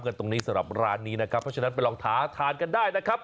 ตรงนี้สำหรับร้านนี้นะครับเพราะฉะนั้นไปลองท้าทานกันได้นะครับ